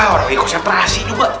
orangnya kok siapa rahasia juga